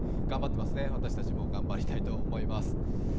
頑張ってますね、私たちも頑張りたいと思います。